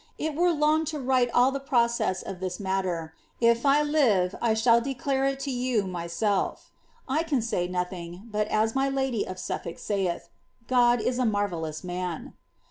It were long to write all the process of this er; if I live, I shall declare it to you myself I can say nothing, but as my of SuiRdk saith, *God is a marvellous man.